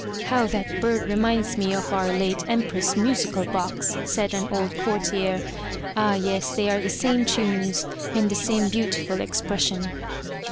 How that bird reminds me of our late Empress's musical box,'' said an old courtier. "Ah yes, they are the same tunes, and the same beautiful expression."